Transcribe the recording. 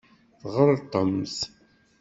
Tɣelṭemt.